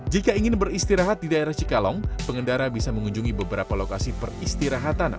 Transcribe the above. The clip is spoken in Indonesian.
jika ingin beristirahat di daerah cikalong pengendara bisa mengunjungi beberapa lokasi peristirahatan